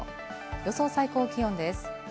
予想最高気温です。